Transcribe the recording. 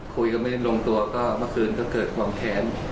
คุยกันไม่ได้ลงตัวก็เมื่อคืนก็เกิดความแค้น